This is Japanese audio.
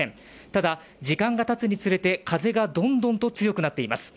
ただ、時間がたつにつれて風がどんどんと強くなっています。